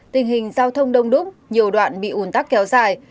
tình hình giao thông đông đúc nhiều đoạn bị ủn tắc kéo dài